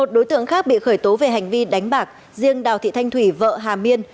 một đối tượng khác bị khởi tố về hành vi đánh bạc riêng đào thị thanh thủy vợ hà miên